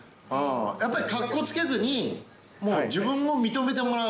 やっぱりかっこつけずに、もう自分を認めてもらう。